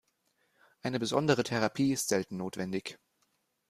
Eine besondere Therapie ist selten notwendig.